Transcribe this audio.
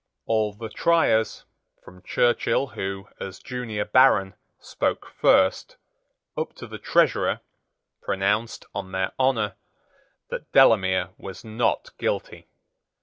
All the Triers, from Churchill who, as junior baron, spoke first, up to the Treasurer, pronounced, on their honour, that Delamere was not guilty.